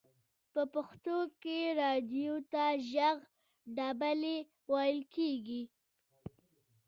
په پښتو کې رادیو ته ژغ ډبلی ویل کیږی.